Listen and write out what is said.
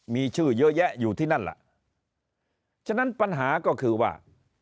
มีชื่อเยอะแยะอยู่ที่นั่นล่ะฉะนั้นปัญหาก็คือว่า